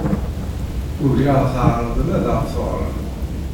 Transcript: Ugaɣ tɛerḍem ad aɣ-d-teɣrem.